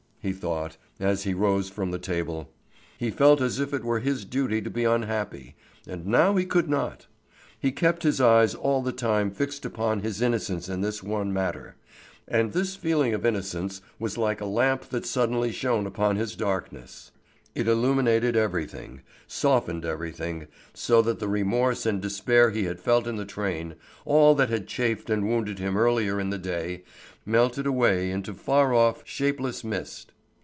he thought, as he rose from the table. He felt as if it were his duty to be unhappy, and now he could not. He kept his eyes all the time fixed upon his innocence in this one matter, and this feeling of innocence was like a lamp that suddenly shone upon his darkness; it illuminated everything, softened everything, so that the remorse and despair he had felt in the train, all that had chafed and wounded him earlier in the day, melted away into far off, shapeless mist.